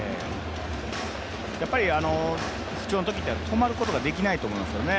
やっぱり不調のときって止まることができない気がしますよね。